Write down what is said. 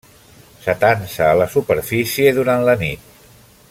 S'atansa a la superfície durant la nit.